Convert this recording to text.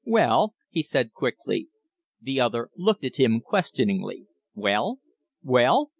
"Well?" he said, quickly. The other looked at him questioningly. "Well? Well?